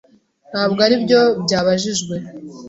Ntabwo aribyo byabajijwe.